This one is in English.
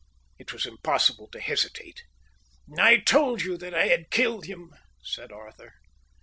It was impossible to hesitate. "I told you that I had killed him," said Arthur.